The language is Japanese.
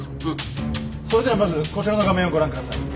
それではまずこちらの画面をご覧ください。